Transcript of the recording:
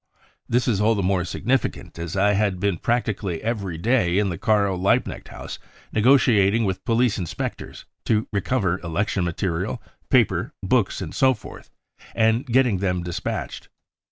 This is all the more significant as I had been practically every day in the Karl Lieb knecht House negotiating with the police inspectors to recover election material, paper, books and so forth and getting them despatched.